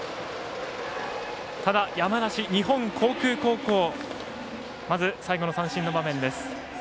ただ、山梨・日本航空高校まず最後の三振の場面です。